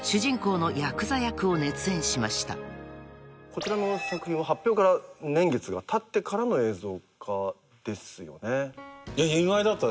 こちらの作品は発表から年月がたってからの映像化ですよね。